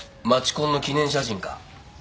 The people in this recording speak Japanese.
コンの記念写真か。